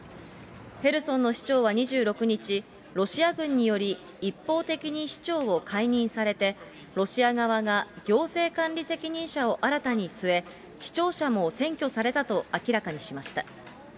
ヘルソンの市長は２６日、ロシア軍により一方的に市長を解任されて、ロシア側が行政管理責任者を新たに据え、市庁舎も占拠されたと明らかにしました。